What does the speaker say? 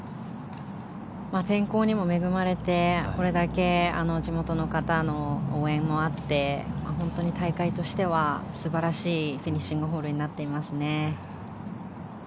天候にも恵まれてこれだけ地元の方の応援もあって本当に大会としては素晴らしいフィニッシングホールになっていますね。